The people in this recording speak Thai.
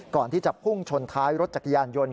ก่อนที่จะพุ่งชนท้ายรถจักรยานยนต์